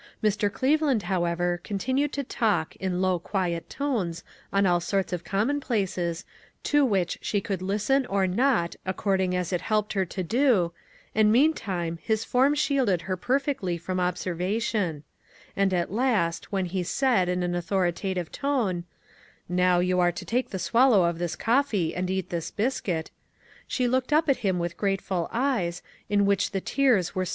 Mr. Cleveland, however, continued to talk, in low, quiet tones, on all sorts of commonplaces, to which she could listen or not according as it helped her to do, and meantime his form shielded her per fectly from observation ; and at last, when he said, in an authoritative tone, " Now, you are to take a swallow of this coffee and eat this biscuit," she looked up at him with grateful eyes, in which the tears were SHALL WE TRY?